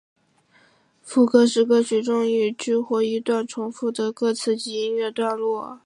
副歌是歌曲中一句或一段重复的歌词及音乐段落。